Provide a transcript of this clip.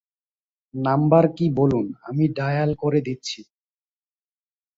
Number কী বলুন, আমি ডায়াল করে দিচ্ছি।